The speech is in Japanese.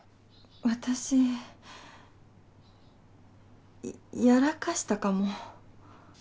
私やらかしたかも。